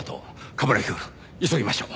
冠城くん急ぎましょう。